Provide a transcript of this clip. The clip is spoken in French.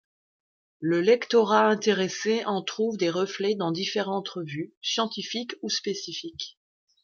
Le lectorat intéressé en trouve des reflets dans différentes revues, scientifiques ou spécifiques.